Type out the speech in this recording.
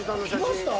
来ました？